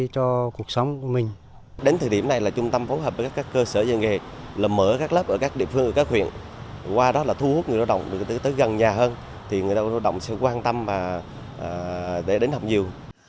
cơ sở dạy nghề là mở các lớp ở các địa phương các huyện qua đó là thu hút người lao động tới gần nhà hơn thì người lao động sẽ quan tâm và đến học nhiều